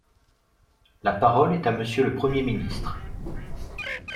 La parole est à Monsieur le Premier ministre.